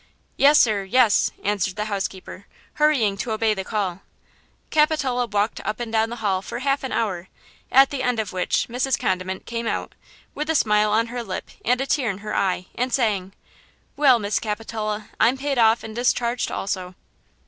"Yes, sir, yes," answered the housekeeper, hurrying to obey the call. Capitola walked up and down the hall for half an hour, at the end of which Mrs. Condiment came out "with a smile on her lip and a tear in her eye," and saying: "Well, Miss Capitola, I'm paid off and discharged also."